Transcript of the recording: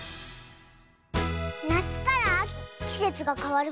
なつからあききせつがかわる